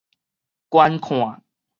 觀看